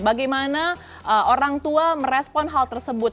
bagaimana orang tua merespon hal tersebut